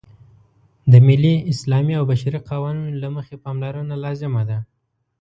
د ملي، اسلامي او بشري قوانینو له مخې پاملرنه لازمه ده.